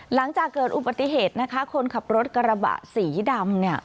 หลังจากเกิดอุบัติเหตุนะคะคนขับรถกระบะสีดำเนี่ย